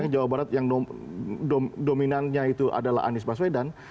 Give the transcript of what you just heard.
jawa barat yang dominannya itu adalah anies baswedan